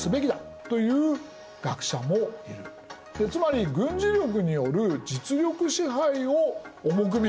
でつまり軍事力による実力支配を重く見る。